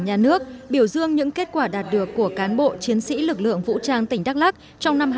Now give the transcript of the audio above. nhà nước biểu dương những kết quả đạt được của cán bộ chiến sĩ lực lượng vũ trang tỉnh đắk lắc trong năm hai nghìn hai mươi